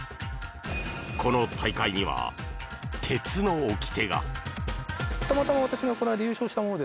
この大会には、鉄の掟が。